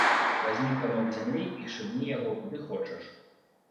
Вазьмі камок зямлі і шыбні яго куды хочаш.